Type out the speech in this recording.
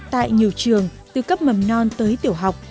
tại nhiều trường từ cấp mầm non tới tiểu học